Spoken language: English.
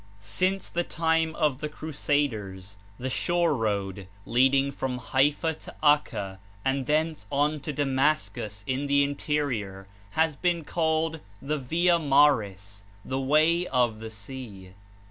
Since the time of the Crusaders the shore road, leading from Haifa to Acca and thence on to Dam ascus in the interior, has been called the "via maris," the "way of the sea."